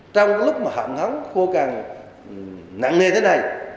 trong lúc mà hạn hán vô càng nặng mê thế này